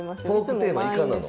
トークテーマイカなの？